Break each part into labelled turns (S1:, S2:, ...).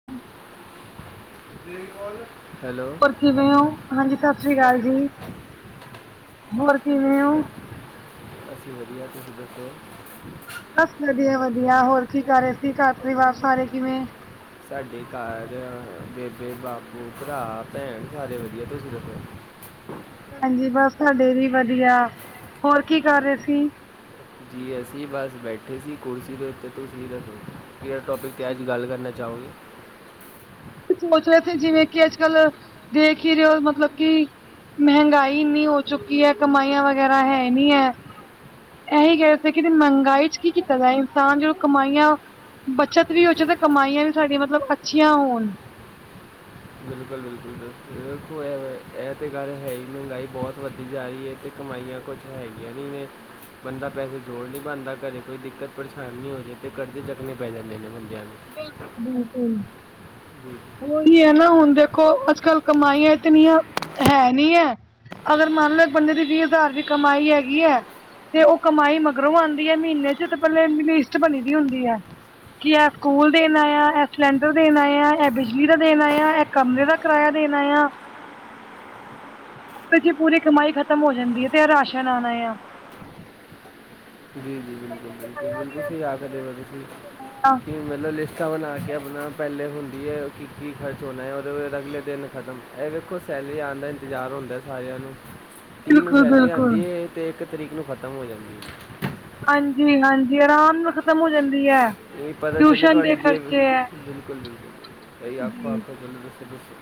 S1: [inaudible]
S2: Hello
S1: ਹੋਰ ਕਿਵੇਂ ਹੋ ਹਾਂਜੀ ਸਤਿ ਸ੍ਰੀ ਅਕਾਲ
S2: ਦੱਸ
S1: ਜੀ
S2: ਮਿੰਟ
S1: ਹੋਰ ਕਿਵੇਂ ਹੋ?
S2: ਅਸੀ ਵਧੀਆ ਜੀ ਤੁਸੀਂ ਦੱਸੋ
S1: ਬਸ ਵਧੀਆ ਵਧੀਆ ਹੋਰ ਕੀ ਕਰ ਰਹੇ ਸੀ ਘਰ ਪਰਿਵਾਰ ਸਾਰੇ ਕਿਵੇਂ
S2: ਤੁਹਾਡੇ ਘਰ ਬੇਬੇ ਬਾਪੂ ਭਰਾ ਭੈਣ ਸਾਰੇ ਵਧੀਆ ਤੁਸੀਂ ਦੱਸੋ?
S1: ਹਾਂਜੀ ਬਸ ਤੁਹਾਡੇ ਵੀ ਵਧੀਆ ਹੋਰ ਕੀ ਕਰ ਰਹੇ ਸੀ
S2: ਜੀ ਅਸੀਂ ਬਸ ਬੈਠੇ ਸੀ ਕੁਰਸੀ ਦੇ ਉੱਤੇ ਤੁਸੀ ਦੱਸੋ ਕਿਹੜੇ ਟੋਪਿਕ ਤੇ ਅੱਜ਼ ਗੱਲ਼ ਕਰਨਾਂ ਚਾਹੋਂਗੇ।
S1: ਸੋਚ ਰੇ ਥੇ ਜਿਵੇਂ ਕਿ ਅੱਜ਼ ਕੱਲ ਦੇਖ ਈ ਰਹੇਂ ਔ, ਮਤਲਬ ਕਿ ਮਹਿੰਗਾਈ ਏਨੀਂ ਹੋ ਚੁੱਕੀ ਹੈ, ਕਮਾਈਆਂ ਵਗ਼ੈਰਾ ਹੈ ਨੀ ਹੈ। ਐਹੀ ਕਹਿ ਰੇ ਥੇ ਕਿ ਮਹਿੰਗਾਈ ਚ ਕੀ ਕੀਤਾ ਜਾਏ ਤਾਂ ਜ਼ੋ ਕਮਾਈਆਂ ਬੱਚਤ ਵੀ ਹੋ ਚ ਤੇ ਕਮਾਈਆਂ ਵੀ ਸਾਡੀਆਂ ਮਤਲਬ ਅੱਛੀਆਂ ਹੋਣ।
S2: ਬਿਲਕੁਲ- ਬਿਲਕੁਲ, ਬਿਲਕੁਲ। ਬਿਲਕੁਲ ਐਹ ਤੇ ਗੱਲ ਹੈ ਈ ਮਹਿੰਗਾਈ ਬਹੁਤ ਵੱਧਦੀ ਜਾ ਰਹੀ ਏਂ, ਤੇ ਕਮਾਈਆਂ ਕੁੱਛ ਹੈਗੀਆਂ ਨੀਂ ਏ। ਬੰਦਾਂ ਪੈਸੇ ਜੋੜ ਨਹੀਂ ਪਾਂਦਾ, ਘਰੇਂ ਕੋਈ ਦਿੱਕਤ ਪਰੇਸ਼ਾਨੀ ਹੋਜੇ ਤੇ ਕਰਜ਼ੇ ਚੱਕਣੇ ਪੈ ਜਾਂਦੇ ਨੇ ਬੰਦਿਆ ਨੂੰ।
S1: ਬਿਲਕੁਲ- ਬਿਲਕੁਲ।
S2: ਜੀ
S1: ਉਹੀ ਐ ਨਾ, ਹੁਣ ਦੇਖੋ ਅੱਜ ਕੱਲ ਕਮਾਈਆਂ ਇਤਨੀਆਂ ਹੈ ਨੀ ਐ। ਅਗਰ ਮੰਨ ਲਓ ਇੱਕ ਬੰਦੇ ਦੀ ਵੀਹ ਹਜ਼ਾਰ ਵੀ ਕਮਾਈ ਹੈਗੀ ਐ। ਤੇ ਉਹ ਕਮਾਈ ਮਗਰੋਂ ਆਂਦੀ ਐ ਮਹੀਨੇ ਚ, ਤੇ ਪਹਿਲੇ ਲਿਸਟ ਬਣੀ ਦੀ ਹੁੰਦੀ ਐ, ਕੀ ਐ ਸਕੂਲ ਦੇਣਾਂ ਆ, ਐ ਸਿਲੰਡਰ ਦੇਣਾ ਆ, ਐ ਬਿਜਲੀ ਦਾ ਦੇਣਾ ਆ, ਐ ਕਮਰੇ ਦਾ ਕਿਰਾਇਆਂ ਦੇਣਾਂ ਆ। [inaudible] ਏਦੇ ਚ ਪੂਰੀ ਕਮਾਈ ਖ਼ਤਮ ਹੋ ਜਾਂਦੀ ਐ, ਤੇ ਏ ਰਾਸ਼ਨ ਆਣਾ ਆ।
S2: ਜੀ- ਜੀ। ਬਿਲਕੁਲ- ਬਿਲਕੁਲ, ਬਿਲਕੁਲ ਸਹੀ ਆਖ਼ਦੇ ਪਏ ਓ ਤੁਸੀਂ,
S1: ਹਾਂ
S2: ਕਿ ਮਤਲਬ ਲਿਸਟਾਂ ਬਣਾ ਕੇ ਆਪਣਾਂ ਪਹਿਲੇ ਹੁੰਦੀ ਐ, ਕਿ- ਕੀ ਖਰਚ ਹੋਣਾਂ ਉਹਦੇ ਬਾਅਦ ਅਗਲੇ ਦਿਨ ਖ਼ਤਮ, ਐਹ ਵੇਖੋ ਸੈਲਰੀ ਆਣ ਦਾ ਇੰਤਜ਼ਾਰ ਹੁੰਦਾਂ। ਆਇਆ ਨੂੰ।
S1: [inaudible]
S2: ਤੀਹ ਨੂੰ ਸੈਲਰੀ ਆਂਦੀ
S1: ਬਿਲਕੁਲ
S2: ਏ, ਤੇ ਇੱਕ ਤਰੀਕ ਨੂੰ ਖ਼ਤਮ ਹੋ ਜਾਂਦੀ ਏ।
S1: ਹਾਂਜੀ- ਹਾਂਜੀ ਅਰਾਮ ਨਾਲ਼ ਖਤਮ ਹੋ ਜਾਂਦੀ ਐ,
S2: ਇਹ ਪਤਾ ਚੱਲੇ
S1: ਟਿਊਸ਼ਨ ਦੇ
S2: ਤੁਹਾਡੀ ਜੇਬ
S1: ਖਰਚੇ ਐ।
S2: ਬਿਲਕੁਲ- ਬਿਲਕੁਲ ਕਈ ਆਪੋ ਆਪ [unintelligible]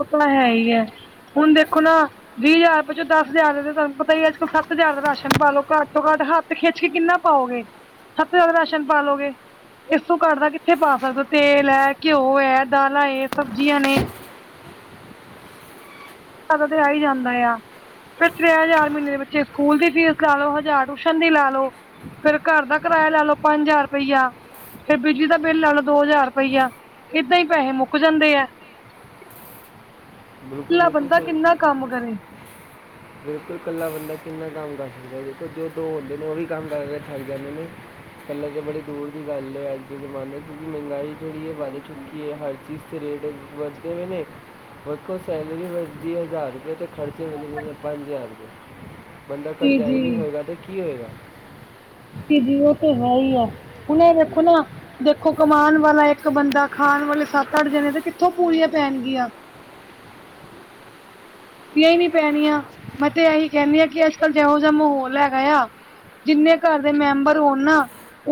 S1: ਓਹ ਤਾਂ ਹੈ ਈ ਐ, ਹੁਣ ਦੇਖੋ ਨਾ। ਵੀਹ ਹਜ਼ਾਰ ਪਿੱਛੋਂ ਦਸ ਹਜ਼ਾਰ ਰੁਪਏ ਤੁਹਾਨੂੰ ਪਤਾ ਈ ਐ ਅੱਜ ਕਲ, ਸੱਤ ਹਜ਼ਾਰ ਦਾ ਰਾਸ਼ਨ ਪਾਲੋ ਘੱਟ ਤੋਂ ਘੱਟ ਤੇ ਖਿੱਚ ਕੇ ਕਿੰਨਾ ਪਾਓਗੇ, ਸੱਤ ਹਜਾਰ ਦਾ ਰਾਸ਼ਨ ਪਾਲੋਗੇ। ਇਸ ਤੋਂ ਘੱਟ ਦਾ ਕਿੱਥੇ ਪਾ ਸਕਦੇ ਔ, ਤੇਲ ਐ ਘਿਓ ਐ, ਦਾਲਾਂ ਏ ਸਬਜ਼ੀਆਂ ਨੇ। ਹਾਡਾ ਤੇ ਆ ਈ ਜਾਂਦਾ ਆ। ਫੇਰ ਤਰੈ ਹਜ਼ਾਰ ਮਹੀਨੇ ਦੇ ਬੱਚੇ ਦੀ ਸਕੂਲ ਦੀ ਫੀਸ ਲਾ ਲੋ, ਹਜ਼ਾਰ ਟਿਊਸ਼ਨ ਦੀ ਲਾ ਲੋੋ। ਫੇਰ ਘਰ ਦਾ ਕਿਰਾਇਆਂ ਲਾ ਲਓ, ਪੰਜ ਹਜ਼ਾਰ ਰੁਪਇਆ। ਫੇਰ ਬਿਜਲੀ ਦਾ ਬਿੱਲ ਲਾ ਲਓ ਦੋ ਹਜ਼ਾਰ ਰੁਪਈਆ, ਏਦਾਂ ਈ ਪੈਹੇ ਮੁੱਕ ਜਾਂਦੇ ਆ।
S2: ਬਿਲਕੁਲ
S1: ਕੱਲਾ
S2: ਬਿਲਕੁਲ
S1: ਬੰਦਾਂ
S2: ਸਹੀ
S1: ਕਿੰਨਾਂ ਕੰਮ ਕਰੇ।
S2: ਬਿਲਕੁਲ ਕੱਲਾ ਬੰਦਾਂ ਕਿੰਨਾਂ ਕੰਮ ਕਰ ਸਕਦਾਂ ਐ, ਦੇਖੋ ਜੋ ਦੋ ਬੰਦੇ ਨੇ ਉਹ ਵੀ ਕੰਮ ਕਰਕੇ ਥੱਕ ਜਾਂਦੇ ਨੇ। ਹਲੇ ਤੇ ਬੜੀ ਦੂਰ ਦੀ ਗੱਲ ਏ ਅੱਜ ਦੇ ਜ਼ਮਾਨੇ, ਕਿਉਕਿ ਮਹਿੰਗਾਈ ਜਿਹੜੀ ਏ ਵੱਧ ਚੁੱਕ ਹਰ ਚੀਜ਼ ਦੇ ਰੇਟ ਵੱਧਦੇ ਪਏ ਨੇ, ਵੇਖੋਂ ਸੈਲਰੀ ਵੱਧਦੀ ਹਜ਼ਾਰ ਰੁਪਏ ਤੱਕ। ਖ਼ਰਚੇ ਬੰਦੇ ਦੇ ਪੰਜ ਹਜ਼ਾਰ ਰੁਪਏ, ਬੰਦਾਂ
S1: ਜੀ
S2: ਕਰਜ਼ਾਈ ਨੀ
S1: ਜੀ
S2: ਹੋਏਗਾ ਤੇ ਕੀ ਹੋਏਗਾ।
S1: ਜੀ ਉਹ ਤੇ ਹੈ ਈ ਆ, ਹੁਣ ਇਹ ਵੇਖੋ ਨਾ। ਦੇਖੋ ਕਮਾਉਣ ਵਾਲਾਂ ਇੱਕ ਬੰਦਾਂ ਖ਼ਾਣ ਵਾਲੇ ਸੱਤ, ਅੱਠ ਜਣੇ ਤੇ ਕਿੱਥੋਂ ਪੂਰੀਆਂ ਪੈਣਗੀਆਂ। ਪੂਰੀਆ ਹੀ ਨੀਂ ਪੈਣੀਆਂ, ਮੈਂ ਤੇ ਇਹੀ ਕਹਿੰਦੀ ਆ ਕਿ ਅੱਜ ਕੱਲ ਜੈਹੋ ਜਾ ਮਾਹੌਲ ਹੈਗਾ ਆ। ਜਿੰਨੇ ਘਰ ਦੇ ਮੈਂਬਰ ਹੋਣ ਨਾ,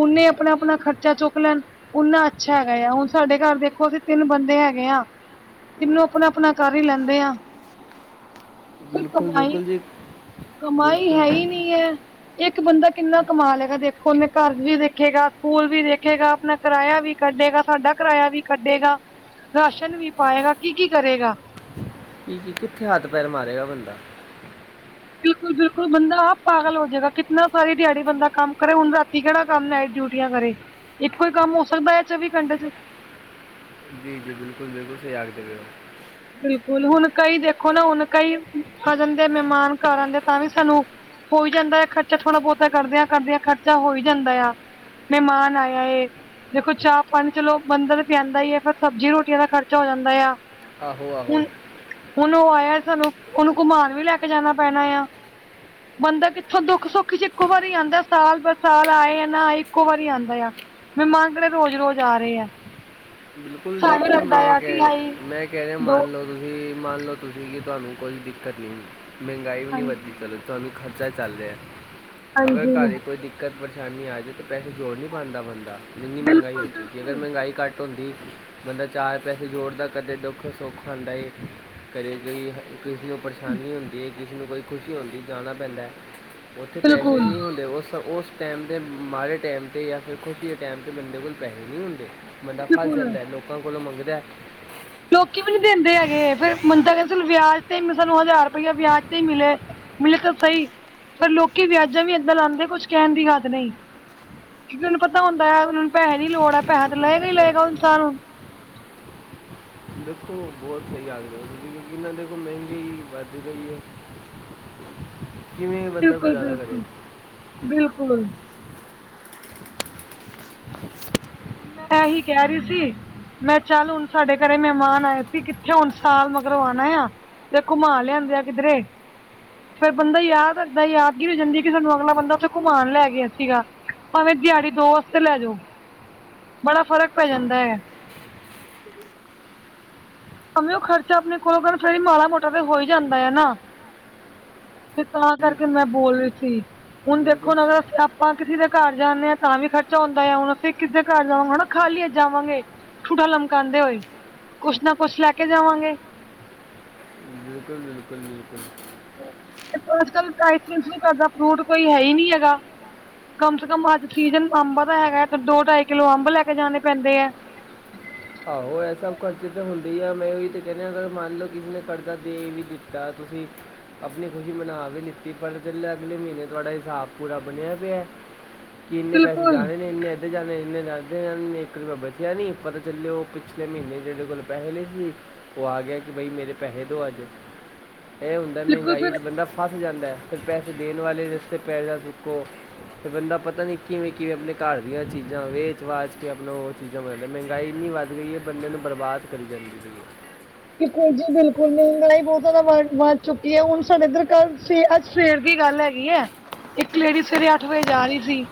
S1: ਓਨੇ ਆਪਣਾਂ- ਆਪਣਾਂ ਖ਼ਰਚਾ ਚੁੱਕ ਲੈਣ। ਓਨਾ ਅੱਛਾ ਹੈਗਾ ਆ, ਹੁਣ ਸਾਡੇ ਘਰ ਦੇਖੋ ਅਸੀਂ ਤਿੰਨ ਬੰਦੇ ਹੈਗੇ ਆ। ਤਿਨੋਂ ਆਪਣਾਂ-ਆਪਣਾਂ ਕਰ ਈ ਲੈਂਦੇ ਆਂ। ਕੋਈ
S2: ਬਿਲਕੁਲ
S1: ਕਮਾਈ-
S2: ਬਿਲਕੁਲ ਜੀ
S1: ਕਮਾਈ ਹੈ
S2: ਬਿਲਕੁਲ
S1: ਈ ਨੀ ਆ। ਇੱਕ ਬੰਦਾਂ ਕਿੰਨਾਂ ਕਮਾਂ ਲੇ ਗਾ, ਦੇਖੋ ਉਹਨੇ ਘਰ ਵੀ ਵੇਖੇਗਾ ਸਕੂਲ ਵੀ ਵੇਖੇਗਾ ਆਪਣਾਂ ਕਿਰਾਇਆ ਵੀ ਕੱਢੇਗਾ, ਸਾਡਾ ਕਿਰਾਇਆ ਵੀ ਕੱਢੇਗਾ, ਰਾਸ਼ਨ ਵੀ ਪਾਏਂਗਾ ਕੀ- ਕੀ ਕਰੇਂਗਾ।
S2: ਕੀ- ਕੀ ਕਿੱਥੇ ਹੱਥ ਪੈਰ ਮਾਰੇਗਾ ਬੰਦਾ
S1: ਬਿਲਕੁੱਲ ਬਿਲਕੁੱਲ ਬੰਦਾ ਆਪ ਪਾਗਲ ਹੋ ਜਾਏਗਾ ਕਿਤਨਾ ਸਾਰੀ ਦਿਹਾੜੀ ਬੰਦਾ ਕੰਮ ਕਰੇ ਹੁਣ ਰਾਤੀ ਕਿਹੜਾ ਕੰਮ ਨਾਈਟ ਡਿਊਟ ਛੁੱਟੀਆਂ ਕਰੇ, ਇੱਕੋ ਕੰਮ ਹੋ ਸਕਦਾ ਹੈ ਚੌਵੀ ਘੰਟੇ 'ਚ
S2: ਜੀ -ਜੀ ਬਿਲਕੁੱਲ- ਬਿਲਕੁੱਲ ਸਹੀ ਤਿਆਗ ਦੇਵੇ
S1: ਬਿਲਕੁੱਲ ਹੁਣ ਕਈ ਦੇਖੋ ਨਾ, ਹੁਣ ਕਈ ਕਜ਼ਨ ਦੇ ਮਹਿਮਾਨ ਘਰ ਆਉਂਦੇ ਤਾਂ ਵੀ ਸਾਨੂੰ ਹੋਈ ਜਾਂਦਾ ਖਰਚਾ ਥੋਣਾ ਬਹੁਤਾ ਕਰਦਿਆਂ ਕਰਦਿਆਂ ਖਰਚਾ ਹੋਈ ਜਾਂਦਾ ਆ ਮਹਿਮਾਨ ਆਇਆ ਇਹ ਦੇਖੋ ਚਾਹ ਪਾਣੀ ਚਲੋ ਬੰਦਾ ਪਿਆਂਦਾ ਏ ਫੇਰ ਸਬਜ਼ੀ ਰੋਟੀਆਂ ਦਾ ਖਰਚਾ ਹੋ ਜਾਂਦਾ ਆ
S2: ਆਹੋ ਆਹੋ
S1: ਹੁਣ, ਹੁਣ ਉਹ ਆਇਆ ਸਾਨੂੰ ਉਹਨੂੰ ਘੁਮਾਨ ਵੀ ਲੈ ਕੇ ਜਾਣਾ ਪੈਣਾ ਆ ਬੰਦਾ ਕਿੱਥੋਂ ਦੁੱਖ- ਸੁੱਖ 'ਚ ਇੱਕੋ ਵਾਰੀ ਆਉਂਦਾ ਸਾਲ ਬਾਅਦ ਸਾਲ ਆਏ ਆ ਨਾ ਆਏ ਇੱਕੋ ਵਾਰੀ ਆਂਦਾ ਆ ਮਹਿਮਾਨ ਕਿਹੜਾ ਰੋਜ਼ ਰੋਜ਼ ਆ ਰਹੇ ਐ
S2: ਬਿਲਕੁੱਲ ਦੇਖੋ ਮੈਂ
S1: ਆ ਕਿ
S2: ਕਹਿ,
S1: ਹਾਈ
S2: ਮੈਂ ਕਹਿ ਰਿਹਾ
S1: ਦੋ
S2: ਮੰਨ ਲਓ ਤੁਸੀਂ ਮੰਨ ਲਓ ਤੁਸੀਂ ਕਿ ਤੁਹਾਨੂੰ ਕੋਈ ਦਿੱਕਤ ਨਹੀਂ, ਮਹਿੰਗਾਈ ਵੀ ਨਹੀਂ ਵੱਧਦੀ
S1: ਹਾਂਜੀ
S2: ਚਲੋ ਤਾਂ ਵੀ ਖਰਚਾ ਚੱਲ ਰਿਹਾ, ਅਗਰ ਘਰ
S1: ਹਾਂਜੀ
S2: 'ਚ ਕੋਈ ਦਿੱਕਤ ਪ੍ਰੇ ਪ੍ਰੇਸ਼ਾਨੀ ਆ ਜਾਵੇ ਤੇ ਪੈਸੇ ਜੋੜ ਨਹੀਂ ਪਾਉਂਦਾ ਬੰਦਾ, ਇੰਨੀ ਮਹਿੰਗਾਈ
S1: ਬਿਲਕੁਲ
S2: ਹੋ ਚੁੱਕੀ,
S1: ਬਿਲਕੁਲ
S2: ਅਗਰ ਮਹਿੰਗਾਈ ਘੱਟ ਹੁੰਦੀ ਬੰਦਾ ਚਾਰ ਪੈਸੇ ਜੋੜਦਾ ਕਦੇ ਦੁੱਖ ਸੁੱਖ ਹੁੰਦਾ ਏ, ਕਦੇ ਕੋਈ ਕਿਸੇ ਨੂੰ ਪ੍ਰੇਸ਼ਾਨੀ ਹੁੰਦੀ ਏ, ਕਿਸੇ ਨੂੰ ਕੋਈ ਖੁਸ਼ੀ ਹੁੰਦੀ ਜਾਣਾ ਪੈਂਦਾ ਉੱਥੇ
S1: ਬਿਲਕੁਲ
S2: ਪੈਸੇ ਨਹੀਂ ਹੁੰਦੇ, ਉਸ- ਉਸ ਟੈਮ ਤੇ ਮਾੜੇ ਟੈਮ ਤੇ ਜਾਂ ਫੇਰ ਖੁਸ਼ੀ ਦੇ ਟੈਮ ਤੇ ਬੰਦੇ ਕੋਲ ਪੈਸੇ ਨਹੀਂ ਹੁੰਦੇ, ਬੰਦਾ ਫਸ
S1: ਬਿਲਕੁਲ
S2: ਐ ਲੋਕਾਂ ਕੋਲੋਂ ਮੰਗਦਾ
S1: ਲੋਕੀ ਵੀ ਨੀ ਦਿੰਦੇ ਹੈਗੇ, ਫੇਰ ਬੰਦਾ ਕਹਿੰਦਾ ਚਲੋ ਵਿਆਜ ਤੇ ਸਾਨੂੰ ਹਜ਼ਾਰ ਰੁਪਈਆ ਵਿਆਜ ਤੇ ਹੀ ਮਿਲੇ ਮਿਲੇ ਤਾਂ ਸਹੀ, ਪਰ ਲੋਕੀ ਵਿਆਜਾਂ ਵੀ ਐਦਾਂ ਲਾਉਂਦੇ ਕੁੱਛ ਕਹਿਣ ਦੀ ਹੱਦ ਨਹੀਂ ਕਿਉਂਕਿ ਉਹਨੂੰ ਪਤਾ ਹੁੰਦਾ ਹੈ ਉਹ ਨੂੰ ਪੈਸੇ ਦੀ ਲੋੜ ਹੈ ਪੈਸਾ ਤਾਂ
S2: ਬਿਲਕੁਲ
S1: ਲਏਗਾ ਹੀ
S2: ਬਿਲਕੁਲ ਸਹੀ
S1: ਲਏਗਾ
S2: ਆਖਦੇ ਹੋ।
S1: ਇਨਸਾਨ
S2: ਦੇਖੋ ਬਹੁਤ ਸਹੀ ਆਦਮੀ ਜਿੰਨਾ ਦੇ ਕੋਲ ਮਹਿੰਦੀ ਵੱਧ ਗਈ ਹੈ ਕਿਵੇਂ ਬੰਦਾ
S1: ਬਿਲਕੁੱਲ-
S2: ਗੁਜ਼ਾਰਾ ਕਰੇ
S1: ਬਿਲਕੁੱਲ, ਬਿਲਕੁੱਲ ਹੁਣ ਮੈਂ ਐਹ ਹੀ ਕਹਿ ਰਹੀ ਸੀ ਮੈਂ ਚੱਲ ਹੁਣ ਸਾਡੇ ਘਰੇ ਮਹਿਮਾਨ ਆਏ ਸੀ ਕਿੱਥੇ ਹੁਣ ਸਾਲ ਮਗਰੋਂ ਆਣਾ ਆ ਤੇ ਘੁੰਮਾ ਲਿਆਂਦੇ ਆ ਕਿਦਰੇੇ ਫੇਰ ਬੰਦਾ ਯਾਦ ਰੱਖਦਾ, ਯਾਦਗੀਰੀ ਹੋ ਜਾਂਦੀ ਕਿ ਸਾਨੂੰ ਅਗਲਾ ਬੰਦਾ ਉੱਥੇ ਘੁਮਾਣ ਲੈ ਗਿਆ ਸੀਗਾ ਭਾਵੇਂ ਦਿਹਾੜੀ ਦੋ ਹਫਤੇ ਲੈ ਜਾਓ ਬੜਾ ਫਰਕ ਪੈ ਜਾਂਦਾ ਐ ਭਾਵੇਂ ਉਹ ਖਰਚਾ ਆਪਣੇ ਕੋਲੋਂ ਕਰਨ, ਫੇਰ ਮਾੜਾ ਮੋਟਾ ਤੇ ਹੋਈ ਜਾਂਦਾ ਹੈ ਨਾ ਤੇ ਤਾਂ
S2: ਜੀ,
S1: ਕਰਕੇ ਮੈਂ ਬੋਲ ਰਹੀ ਸੀ ਹੁਣ
S2: ਬਿਲਕੁਲ
S1: ਦੇਖੋ ਨਵਾ ਸਿਆਪ ਆਪਾਂ ਕਿਸੇ ਦੇ ਘਰ ਜਾਂਦੇ ਹਾਂ ਤਾਂ ਵੀ ਖਰਚਾ ਹੁੰਦਾ ਆ ਹੁਣ ਕਿਸੀ ਦੇ ਘਰ ਜਾਵਾਂਗੇ ਹਣਾ ਖਾਲੀ ਹੱਥ ਜਾਵਾਂਗੇ ਠੂਠਾ ਲਮਕਾਉਂਦੇ ਹੋਏ, ਕੁੱਛ ਨਾ ਕੁੱਛ ਲੈ ਕੇ ਜਾਵਾਂਗੇ
S2: ਬਿਲਕੁੱਲ ਬਿਲਕੁੱਲ ਬਿਲਕੁੱਲ
S1: ਹ ਅੱਜ ਕੱਲ ਪੈਸੇ ਪੈਸਿਆਂ ਕਰਦਾ ਫਰੂਟ ਕੋਈ ਹੈ ਹੀ ਨਹੀਂ ਹੈਗਾ ਕਮ ਸੇ ਕਮ ਅੱਜ ਸੀਜ਼ਨ ਅੰਬਾ ਦਾ ਹੈਗਾ ਹੈ ਤੇ ਦੋ ਢਾਈ ਕਿਲੋ ਅੰਬ ਲੈ ਕੇ ਜਾਣੇ ਪੈਂਦੇ ਐ
S2: ਆਹੋ ਐਹ ਸਭ ਖਰਚੇ ਤਾਂ ਹੁੰਦੇ ਹੀ ਆ ਮੈਂ ਉਹੀ ਤਾਂ ਕਹਿੰਦੇ ਅਗਰ ਮੰਨ ਲਓ ਕਿਸੇ ਨੇ ਖਰਚਾ ਦੇ ਵੀ ਦਿੱਤਾ ਤੁਸੀਂ ਆਪਣੀ ਖੁਸ਼ੀ ਮਨਾ ਵੀ ਲਿੱਤੀ, ਪਰ ਅਗਲੇ ਮਹੀਨੇ ਤੁਹਾਡਾ ਹਿਸਾਬ ਪੂਰਾ ਬਣਿਆ ਪਿਆ
S1: [inaudible]
S2: ਕਿ ਇੰਨੇ ਪੈਸੇ
S1: ਬਿਲਕੁਲ
S2: ਜਾਨੇ ਇੰਨੇ ਅੱਧੇ ਜਾਣੇ ਨੇ ਇੰਨੇ ਅੱਧੇ ਜਾਣੇ ਨੇ ਇੱਕ ਰੁਪਏ ਬਚਿਆ ਨੀ ਪਤਾ ਜੱਲੇ ਉਹ ਪਿਛਲੇ ਮਹੀਨੇ ਜਿਹੜੇ ਕੋਲ ਪੈਸੇ ਨੀ ਸੀ ਉਹ ਆ ਗਿਆ ਕਿ ਬਈ ਮੇਰੇ ਪੈਸੇ ਦੋ ਅੱਜ ਇਹ ਹੁੰਦਾ
S1: ਬਿਲਕੁਲ ਸਰ
S2: ਮਹਿੰਗਾਈ 'ਚ ਬੰਦਾ ਫਸ ਜਾਂਦਾ, ਫੇਰ ਪੈਸੇ ਦੇਣ ਵਾਲੇ ਰਸਤੇ ਪੈਸੇ ਸੁੱਕੋ ਤੇ ਬੰਦਾ ਪਤਾ ਨੀ ਕਿਵੇਂ-ਕਿਵੇਂ ਆਪਨੇ ਘਾਰ ਦੀਆਂ ਚੀਜ਼ਾਂ ਵੇਚ ਵਾਚ ਕੇ ਆਪਨਾ ਓ ਚੀਜਾਂ [unintelligible] ਨਈ। ਗਾਈ ਇੰਨੀ ਵੱਧ ਗਈ ਐ ਬੰਦਿਆਂ ਨੂੰ ਬਰਬਾਦ ਕਰੀ ਜਾਂਦੀ ਏ।
S1: ਬਿਲਕੁਲ ਜੀ ਬਿਲਕੁਲ ਮਹਿੰਗਾਈ ਬੋਤ ਜਾਦਾ ਵ ਵੱਧ ਚੁੱਕੀ ਐ। ਹੂਨ ਸਾਡੇ ਏੱਧਰ ਘਰ ਸਵੇ ਅੱਜ ਸਵੇਰ ਦੀ ਗੱਲ ਹੈਗੀ ਐ, ਇੱਕ ਲੇਡੀ ਸਵੇਰੇ ਅੱਠ ਵਜੇ ਜਾ ਰੀ ਸੀ।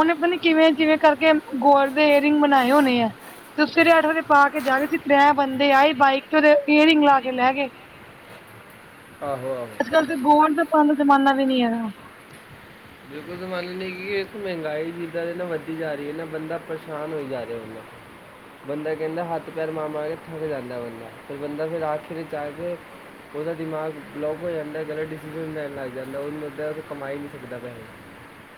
S1: ਓਨੇ ਪਤਾ ਨੀ ਕਿਵੇਂ, ਕਿਵੇਂ ਕਰਕੇ ਗੋਲਡ ਦੇ ਏਅਰ ਰਿੰਗ ਬਨਾਏ ਹੋਨੇ ਐ ਤੇ ਓ ਸਵੇਰੇ ਅੱਠ ਵਰੇ ਪਾ ਕੇ ਜਾ ਰੇ ਸੀ ਤ੍ਰੈ ਬੰਦੇ ਆਏ ਬਾਈਕ ਤੇ ਓਰੇ ਈਅਰਿੰਗ ਲਾ ਕੇ ਲੈ ਗਏ।
S2: ਆਹੋ-ਆਹੋ।
S1: ਅੱਜ-ਕੱਲ ਤੇ ਗੋਲਡ ਦੇ ਪਾਨ ਦਾ ਜਮਾਨਾ ਵੀ ਨੀ ਹੈਗਾ।
S2: ਬਿਲਕੁਲ ਸੰਭਾਲਨੀ ਹੈਗੀ ਏ। ਇੱਕ ਮਹਿੰਗਾਈ ਜਿੱਦਾਂ ਏ ਨਾ ਵਧਦੀ ਜਾ ਰੀ ਏ ਨਾ ਬੰਦਾ ਪਰੇਸ਼ਾਨ ਹੋਈ ਜਾ ਰਿਐ, ਬੰਦਾ। ਬੰਦਾ ਕੈਂਦਾ ਹੱਥ ਪੈਰ ਮਾਰ-ਮਾਰ ਕੇ ਥੱਕ ਜਾਂਦੈ ਬੰਦਾ। ਫੇਰ ਬੰਦਾ ਫੇਰ ਆਖਿਰ ਵਿੱਚ ਆ ਕੇ ਓਦਾ ਦਿਮਾਗ ਬਲੋਕ ਹੋ ਜਾਂਦੈ। ਜੜਾ ਡਿਸੀਜ਼ਨ ਲੈਣ ਲੱਗ ਜਾਂਦਾ ਓਨੂੰ ਜਾ ਕੇ ਕਮਾ ਈ ਨੀ ਸਕਦਾ ਪੈਹੇ।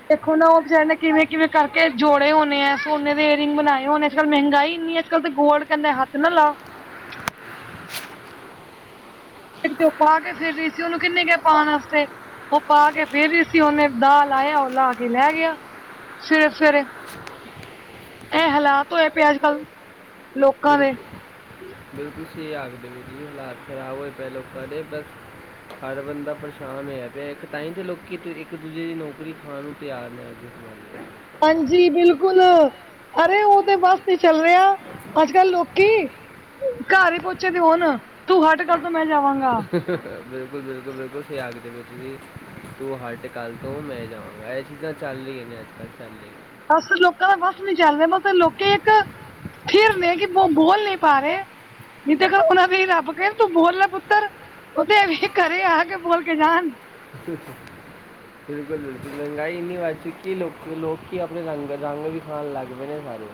S1: ਦੇਖੋ ਨਾ ਓ ਬਿਚਾਰੇ ਨੇ ਕਿਵੇਂ-ਕਿਵੇਂ ਕਰਕੇ ਜੋੜੇ ਹੋਨੇ ਐ, ਸੋਨੇ ਦੇ ਏਅਰਿੰਗ ਬਨਾਏ ਹੋਨੇ। ਅੱਜ-ਕੱਲ ਮਹਿੰਗਾਈ ਇੰਨੀ ਐ ਕੱਲ ਤੇ ਗੋਲਡ ਕੈਂਦੈ ਹੱਥ ਨਾ ਲਾਓ। ਫੇਰ ਭੀ ਓ ਪਾ ਕੇ ਫਿਰ ਰੀ ਸੀ ਓਨੂੰ ਕਿੰਨੇ ਕਿਐ ਪਾਨ ਆਸਤੇ। ਓ ਪਾ ਕੇ ਫ਼ਿਰ ਵੀ ਸੀ ਓਨੇ ਦਾਅ ਲਾਇਆ ਓ ਲਾ ਕੇ ਲੈ ਗਿਆ ਸਵੇਰੇ-ਸਵੇਰੇ। ਐ ਹਾਲਾਤ ਹੋਏ ਪਏ ਅੱਜ-ਕੱਲ।
S2: ਬਿਲਕੁਲ। ਬਿਲਕੁਲ ਸਈ ਆਖਦੇ ਨੇ ਜੀ ਏ ਹਾਲਾਤ ਖ਼ਰਾਬ ਹੋਏ ਪਏ ਲੋਕਾਂ ਦੇ, ਬਸ ਹਰ ਬੰਦਾ ਪਰੇਸ਼ਾਨ ਹੋਇਆ ਪਿਐ। ਇੱਕ ਤਾਈ ਤੇ ਲੋਕੀ ਇੱਕ ਦੂਜੇ ਦੀ ਨੌਕਰੀ ਖਾਣ ਨੂੰ ਤਿਆਰ ਨੇ, ਅੱਗੇ।
S1: ਹਾਂਜੀ, ਬਿਲਕੁਲ। ਅਰੇ ਓ ਤੇ ਬਸ ਨਈ ਚੱਲ ਰੇ ਓ। ਅੱਜ-ਕੱਲ ਲੋਕੀ ਘਾਰ ਈ ਪੌਚੇ ਦੇ ਹੋਨ ਤੂੰ ਹਟ ਕੱਲ ਤੋਂ ਮੈਂ ਜਾਵਾਂਗਾ।
S2: ਬਿਲਕੁਲ-ਬਿਲਕੁਲ-ਬਿਲਕੁਲ ਸਈ ਆਖਦੇ ਪਏ ਤੁਸੀ। ਤੂੰ ਹਟ ਕੱਲ ਤੋਂ ਮੈਂ ਜਾਵਾਂਗਾ। ਐ ਚੀਜ਼ਾਂ ਚੱਲ ਰਈਐਂ ਨੇ ਅੱਜ-ਕੱਲ, ਪੈਲੇ
S1: ਬਸ ਲੋਕਾਂ ਦਾ ਵੱਸ ਨੀ ਚੱਲ ਰਿਆ ਮਤਲਬ ਲੋਕੀ ਇੱਕ ਥਿਰ ਨੇ ਕਿ ਬੋ ਬੋਲ ਨੀ ਪਾ ਰੇ ਨੀ ਤੇ ਕ ਓਨਾਂ ਵੀ ਰੱਬ ਕਏ ਤੂੰ ਬੋਲ ਲੈ ਪੁੱਤਰ। ਓ ਤੇ ਵੀ ਘਰੇ ਆ ਕੇ ਬੋਲ ਕੇ ਜਾਨ।
S2: ਤਿੱਸ ਬਿਲਕੁਲ-ਬਿਲਕੁਲ ਮਹਿੰਗਾਈ ਇੰਨੀ ਵੱਧ ਚੁੱਕੀ ਏ ਲੋਕ ਲੋਕੀ ਆਪਨੇ ਰੰਗ, ਰੰਗ ਵਿਖਾਨ ਲੱਗ ਪਏ ਨੇ ਸਾਰੇ।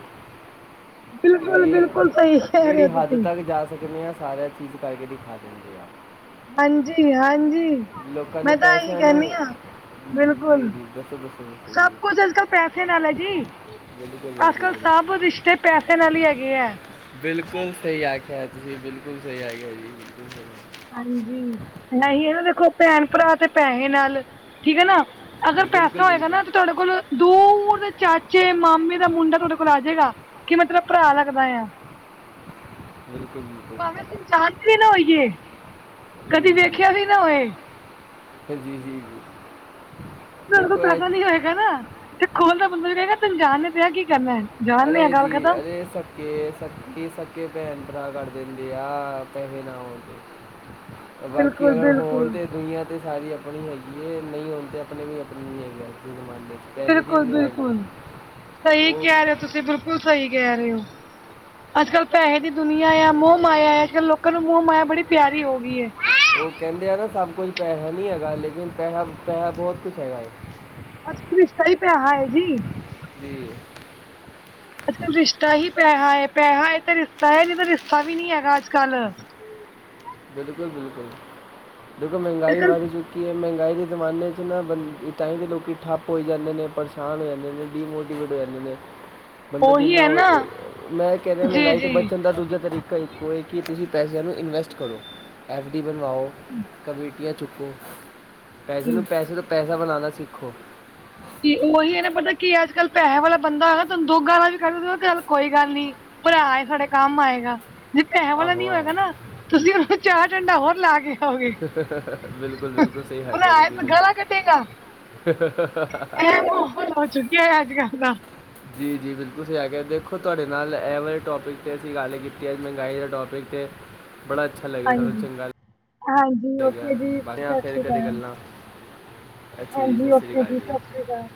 S2: ਕਿ
S1: ਬਿਲਕੁਲ, ਬਿਲਕੁਲ ਸਈ ਕੈ ਰਏ ਓ ਤੁਸੀ।
S2: ਤੇ ਕੇਨੇ ਆਂ ਸਾਰਾ ਚੀਜ਼ ਕਰਕੇ ਦਿਖਾ ਦੇ।
S1: ਹਾਂਜੀ, ਹਾਂਜੀ
S2: ਲੋਕਾਂ ਨੇ
S1: ਮੈਂ ਤਾਂ ਐਹੀ
S2: ਪੈਸਿਆਂ ਨੂੰ
S1: ਕੈਨੀ ਆਂ
S2: ਜੀ
S1: ਬਿਲਕੁਲ,
S2: ਜੀ ਦੱਸੋ ਦੱਸੋ ਦੱਸੋ ਜੀ
S1: ਸਭ ਕੁਛ ਅੱਜ-ਕੱਲ ਪੈਸੇ ਨਾਲ ਐ ਜੀ।
S2: ਬਿਲਕੁਲ ਬਿਲਕੁਲ
S1: ਅੱਜ-ਕਲ
S2: ਬਿਲਕੁਲ।
S1: ਸਭ ਰਿਸ਼ਤੇ ਪੈਸੇ ਨਾਲ ਈ ਹੈਗੇ ਐ।
S2: ਬਿਲਕੁਲ ਸਈ ਆਖਿਐ ਤੁਸੀਂ, ਬਿਲਕੁਲ ਸਈ ਆਖਿਐ ਜੀ। ਬਿਲਕੁਲ ਸਹੀ ਆਖਿਆ।
S1: ਹਾਂਜੀ। ਨਹੀ ਏ ਨਾ ਦੇਖੋ ਭੈਣ ਭਰਾ ਤੇ ਪੈਹੇ ਨਾਲ, ਠੀਕ ਐ ਨਾ ਅਗਰ ਪੈਸਾ
S2: ਬਿਲਕੁਲ
S1: ਹੋਏਗਾ
S2: ਬਿਲਕੁਲ
S1: ਨਾ ਤੇ ਤੁਆਡੇ ਕੋਲ ਦੂਰ ਦੇ ਚਾਚੇ, ਮਾਮੇ ਦਾ ਮੁੰਡਾ ਤੁਆਡੇ ਕੋਲ ਆ ਜੇਗਾ ਕਿ ਮਤਲਬ ਭਰਾ ਲੱਗਦਾ ਏਯਾ
S2: ਬਿਲਕੁਲ ਜੀ।
S1: ਭਾਵੇਂ ਅਸੀ ਜਾਨਦੇ ਈ ਨਾ ਹੋਈਏ, ਕਦੀ ਵੇਖਿਆ ਵੀ ਨਾ ਹੋਏ
S2: ਹ, ਜੀ-ਜੀ-ਜੀ।
S1: ਤੁਆਡੇ ਕੋਲ ਪੈਸਾ ਨੀ ਹੋਏਗਾ ਨਾ ਤੇ ਖੋਲ ਦਾ ਬੰਦਾ ਜੜਾ ਐ ਨਾ ਤੁਆਨੂੰ ਜਾਨ ਨੀ ਪਿਐ ਕੀ ਕਰਨੈ।
S2: ਅਰੇ ਜੀ, ਅਰੇ ਸਭ ਕਿ ਏ ਸਭ ਫਿਰ ਸੱਕੇ ਭੈਣ-ਭਰਾ ਕਰ ਦੇਂਦੇ ਆ, ਪੈਹੇ ਨਾ ਹੋਨ ਅ ਬਾਕੀ
S1: ਬਿਲਕੁਲ
S2: ਅਗਰ ਫੋਨ
S1: ਬਿਲਕੁਲ
S2: ਤੇ ਦੂਨੀਆ ਅਤੇ ਸਾਰੀ ਆਪਣੀ ਹੈਗੀ ਹੈ, ਨਹੀਂ ਹੋਣ ਤੇ ਆਪਣੇ ਵੀ ਆਪਣੀ ਨਹੀਂ ਹੈਗੀ, ਇਸ ਜ਼ਮਾਨੇ ਵਿਚ।
S1: ਬਿਲਕੁਲ -ਬਿਲਕੁਲ ਸਹੀ
S2: ਉਹ
S1: ਕਹਿ ਰਹੇ ਹੋ। ਤੁਸੀਂ ਬਿਲਕੁਲ ਸਹੀ ਕਹਿ ਰਹੇ ਹੋ, ਅੱਜ ਕੱਲ ਪੈਸੇ ਦੀ ਦੁਨੀਆਂ ਆ, ਮੋਹ ਮਾਇਆ ਅੱਜ ਕੱਲ ਲੋਕਾਂ ਨੂੰ ਮੂੰਹ ਮਾਇਆ ਬੜੀ ਪਿਆਰੀ ਹੋ ਗਈ ਏ।
S2: ਉਹ ਕਹਿੰਦੇ ਆ ਨਾ ਸਭ ਕੁਝ ਪੈਹਾ ਨਹੀਂ ਹੈਗਾ, ਲੇਕਨ ਪੈਹਾ- ਪੈਹਾ ਬਹੁਤ ਕੁਛ ਹੈਗਾ ਏ।
S1: ਅੱਜ ਰਿਸ਼ਤਾ ਹੀ ਪੇਹਾ ਹੈ ਜੀ।
S2: ਜੀ।
S1: ਅੱਜ ਕੱਲ ਰਿਸ਼ਤਾ ਹੀ ਪੈਹਾ ਹੈ, ਪੈਹਾ ਹੈ ਤਾਂ ਰਿਸ਼ਤਾ ਹੈ, ਨਹੀਂ ਤਾਂ ਰਿਸ਼ਤਾ ਵੀ ਨੀ ਹੈਗਾ ਅੱਜ ਕੱਲ੍ਹ।
S2: ਬਿਲਕੁਲ- ਬਿਲਕੁਲ ਦੇਖੋ
S1: ਅੱਜ
S2: ਮਹਿੰਗਾਈ ਵੀ
S1: ਕੱਲ੍ਹ
S2: ਚੁੱਕੀ ਹੈ, ਮਹਿੰਗਾਈ ਦੀ ਜ਼ਮਾਨੇ 'ਚ ਨਾ ਤਾਂ ਹੀ ਤਾਂ ਲੋਕ ਠੱਪ ਹੋ ਜਾਂਦੇ ਨੇ, ਪਰੇਸ਼ਾਨ ਹੋ ਜਾਂਦੇ ਨੇ, ਡੀਮੋਟੀਵੇਟ ਹੋ ਜਾਂਦੇ ਨੇ। ਬੰਦਾ
S1: ਉਹੀ
S2: ਜਿੰਨਾ
S1: ਹੈ ਨਾ
S2: ਉਹ ਮੈਂ ਕਹਿ ਰਿਹਾ
S1: ਜੀ
S2: ਮਹਿੰਗਾਈ ਤੋਂ
S1: ਜੀ
S2: ਬਚਣ ਦਾ ਦੂਜਾ ਤਰੀਕਾ ਹੀ ਕੋਈ ਕਿ ਤੁਸੀਂ ਪੈਸਿਆਂ ਨੂੰ ਇਨਵੈਸਟ ਕਰੋ। ਐੱਫ ਡੀ ਬਣਵਾਓ, ਕਮੇਟੀਆਂ ਚੁੱਕੋ, ਪੈਸੇ ਨੂੰ
S1: ਜੀ
S2: ਪੈਸੇ ਤਾਂ ਪੈਸਾ ਬਣਾਉਣਾ ਸਿੱਖੋ।
S1: ਤੇ ਉਹੀ ਇਹਨੇ ਪਤਾ ਕੀ ਅੱਜ ਕੱਲ੍ਹ ਪੈਸੇ ਵਾਲਾ ਬੰਦਾ ਹੈ ਨਾ ਤੁਹਾਨੂੰ ਦੋ ਗਾਲਾਂ ਵੀ ਕਢ ਲੇ ਚੱਲ ਕੋਈ ਗੱਲ ਨੀ। ਭਰਾ ਆ ਸਾਡੇ ਕੰਮ ਆਏਗਾ। ਜੇ ਪੈਸਿਆਂ ਵਾਲਾ
S2: ਆਹੋ
S1: ਨੀ ਹੋਏਗਾ ਨਾ,
S2: ਆਹੋ
S1: ਤੁਸੀਂ ਉਹ ਚਾਰ ਚੰਡਾ ਹੋਰ ਲਾ ਕੇ ਆਓਗੇ
S2: ਬਿਲਕੁਲ- ਬਿਲਕੁਲ ਸਹੀ ਹ
S1: ਭਰਾ
S2: ਕਹਿੰਦੇ
S1: ਏ ਤੇ ਗਾਲਾਂ ਕੱਢੇਗਾ
S2: ਜੀ ਬਿਲਕੁਲ।
S1: ਇਹ ਬਾਤ ਚੁੱਕੀ ਅੱਜ ਕੱਲ ਦਾ।
S2: ਜੀ -ਜੀ ਬਿਲਕੁਲ ਅਸੀਂ ਆ ਕੇ ਦੇਖੋ, ਤੁਹਾਡੇ ਨਾਲ ਐਵਰੇਜ ਟੋਪਿਕ 'ਤੇ ਅਸੀਂ ਗੱਲ ਕੀਤੀ ਹੈ, ਮਹਿੰਗਾਈ ਦੇ ਟੋਪਿਕ 'ਤੇ। ਬੜਾ ਅੱਛਾ ਲੱਗਿਆ
S1: ਹਾਂ
S2: ਸਾਨੂੰ
S1: ਹਾਂਜੀ
S2: ਚੰਗਾ
S1: -ਹਾਂਜੀ
S2: ਲੱਗਿਆ
S1: ਓਕੇ ਜੀ,
S2: ਬਾਕੀ ਆ
S1: ਸਤਿ
S2: ਫਿਰ
S1: ਸ੍ਰੀ
S2: ਕਦੇ
S1: ਅਕਾਲ।
S2: ਗੱਲਾਂ ਅੱਛਾ ਜੀ
S1: ਹਾਂਜੀ,
S2: ਸਤਿ ਸ੍ਰੀ
S1: ਓਕੇ
S2: ਅਕਾਲ
S1: ਜੀ, ਸਤਿ ਸ੍ਰੀ ਅਕਾਲ।